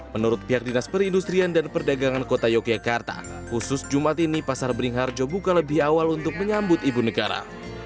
menurut pihak dinas perindustrian dan perdagangan kota yogyakarta khusus jumat ini pasar beringharjo buka lebih awal untuk menyambut ibu negara